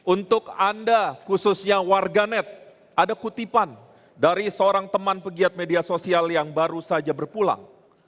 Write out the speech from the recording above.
untuk anda khususnya warganet ada kutipan dari seorang teman pegiat media sosial yang baru saja berpulang